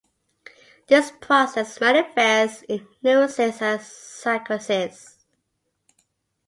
This process manifests in neurosis and psychosis.